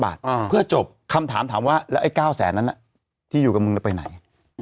บาทเพื่อจบคำถามถามว่าแล้วไอ้๙แสนนั้นที่อยู่กับมึงไปไหน